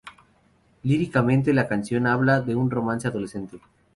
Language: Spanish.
Líricamente, la canción habla de un romance adolescente.